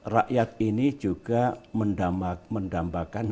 rakyat ini juga mendambakan